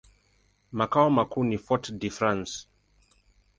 Makao makuu ni Fort-de-France.